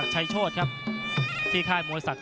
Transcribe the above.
นักมวยจอมคำหวังเว่เลยนะครับ